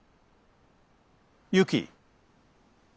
ユキ。